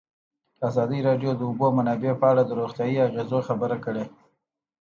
ازادي راډیو د د اوبو منابع په اړه د روغتیایي اغېزو خبره کړې.